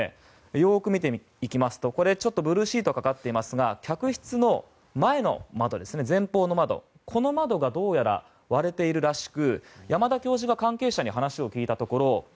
よく見ていきますと、こちらブルーシートがかかっていますが客室の前方の窓が、どうやら割れているらしく、山田教授が関係者に話を聞いたところ